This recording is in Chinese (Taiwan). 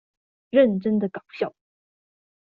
認真的搞笑